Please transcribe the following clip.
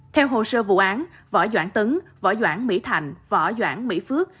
theo hồ sơ vụ án võ doãn tấn võ doãn mỹ thành võ doãn mỹ phước